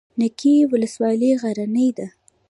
نکې ولسوالۍ غرنۍ ده؟